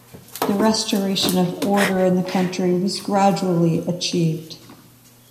The restoration of order in the country was gradually achieved.